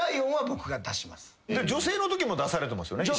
女性のときも出されてますよね？